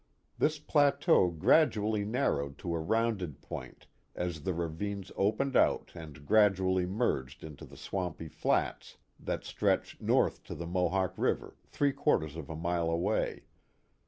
This plateau gradually narrowed to a rounded point as the ravines opened out and gradually merged into the swampy flats that stretch north to the Mohawk River three quarters of a mile away.